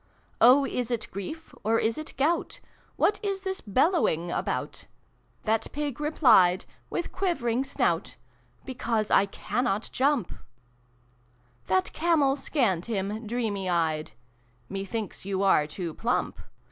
" Oh, is it Grief, or is it Gout ? What is this bellowing about ?" That Pig replied, with quivering snout, "Because I cannot jump f" That Camel scanned Jiirn, dreamy eyed. " Met/links you are too plump.